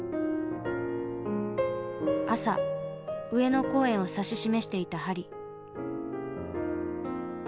朝上野公園を指し示していた針。